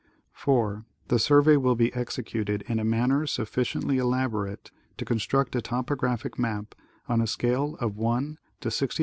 4. The survey will be executed in a manner sufficiently elabo orate to construct a topographic map on a scale of 1 : 62,500.